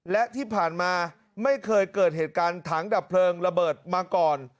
และที่ผ่านมาไม่เคยเกิดเหตุการณ์ถังดับเพลิงระเบิดมาก่อน